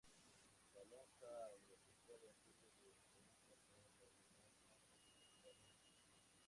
La lonja agropecuaria sirve de referencia a todas las demás lonjas del mercado nacional.